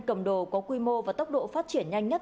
cầm đồ có quy mô và tốc độ phát triển nhanh nhất